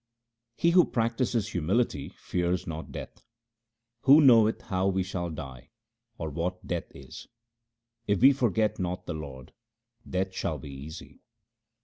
He who practises humility fears not death :— Who knoweth how we shall die, or what death is ? If we forget not the Lord, death shall be easy.